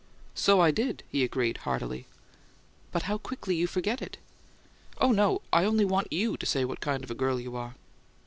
"So I did," he agreed, heartily. "But how quickly you forgot it!" "Oh, no. I only want YOU to say what kind of a girl you are."